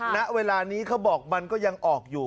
ณเวลานี้เขาบอกมันก็ยังออกอยู่